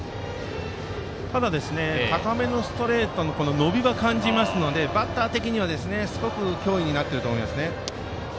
ただ、高めのストレートに伸びは感じるのですごく脅威になっていると思います。